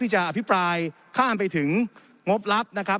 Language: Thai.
จะอภิปรายข้ามไปถึงงบลับนะครับ